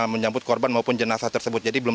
menyangkut korban maupun jenazah tersebut jadi belum